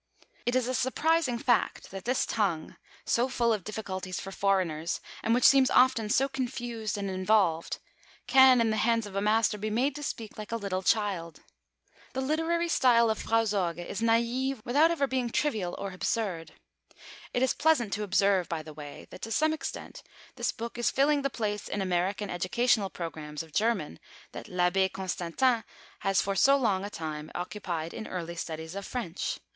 It is a surprising fact that this tongue, so full of difficulties for foreigners, and which seems often so confused and involved, can, in the hands of a master, be made to speak like a little child. The literary style of Frau Sorge is naïve without ever being trivial or absurd. It is pleasant to observe, by the way, that to some extent this book is filling the place in American educational programmes of German that L'Abbé Constantin has for so long a time occupied in early studies of French.